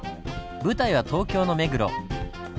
舞台は東京の目黒。